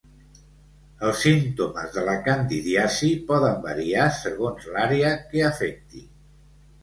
Els símptomes de la candidiasi poden variar segons l'àrea que afecti.